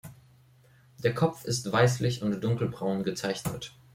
Der Kopf ist weißlich und dunkelbraun gezeichnet.